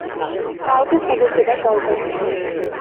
কাউকে খবর দেবার দরকার নেই।